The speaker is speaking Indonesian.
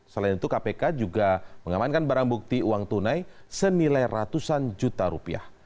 selain itu kpk juga mengamankan barang bukti uang tunai senilai ratusan juta rupiah